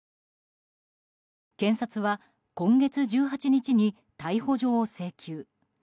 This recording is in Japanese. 検察は今月１８日に逮捕状を請求。